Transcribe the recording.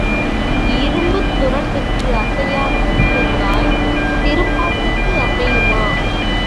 இரும்புத் துறட்டுக்கு அசையாத புளியங்காய் திருப்பாட்டுக்கு அசையுமா?